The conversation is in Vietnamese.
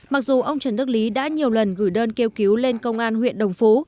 mặc dù ông trần đức lý đã nhiều lần gửi đơn kêu cứu lên công an huyện đồng phú